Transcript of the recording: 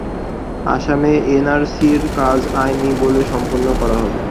আসামে এনআরসির কাজ আইনি বলে সম্পন্ন করা হবে।